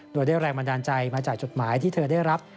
โดยได้แรงบันดาลใจมาจากจดหมายที่เธอได้รับ